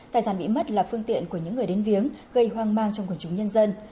tài sản bị mất là phương tiện của những người đến viếng gây hoang mang trong quần chúng nhân dân